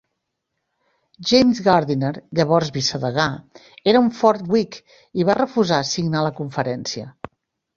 James Gardiner, llavors vicedegà, era un fort whig i va refusar signar la conferència.